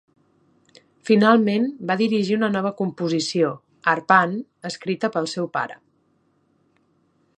Finalment, va dirigir una nova composició, "Arpan", escrita pel seu pare.